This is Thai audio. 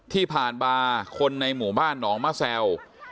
ที่ผ่านมาคนในหมู่บ้านหนองมะแซว